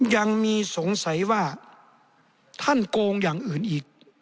ยังมีสงสัยว่าท่านโกงอย่างอื่นอีก